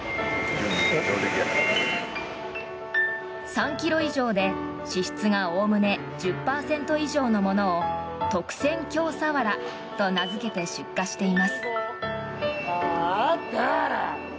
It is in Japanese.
３ｋｇ以上で脂質がおおむね１０％以上のものを特選京鰆と名付けて出荷しています。